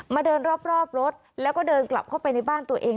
เดินรอบรถแล้วก็เดินกลับเข้าไปในบ้านตัวเอง